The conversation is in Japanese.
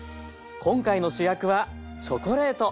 今回の主役はチョコレート。